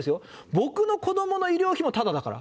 僕の子どもの医療費もただだから。